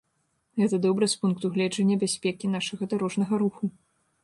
Гэта добра з пункту гледжання бяспекі нашага дарожнага руху.